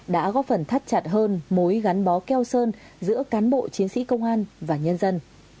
đã góp phần thắt chặt hơn mối gắn bó keo sơn giữa cán bộ chiến sĩ công an và nhân dân